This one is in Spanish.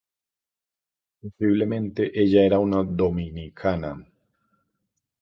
Posiblemente ella era una dominica.